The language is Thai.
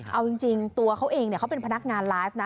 เอายังจริงตัวเขาเองเขาเป็นผนักงาน